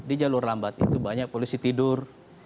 di jalur lambat itu banyak polisi tidur